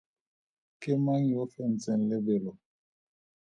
Ke mang yo o fentseng lebelo?